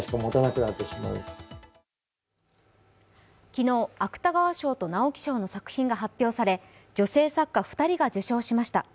昨日、芥川賞と直木賞の作品が発表され、女性作家２人が受賞しました。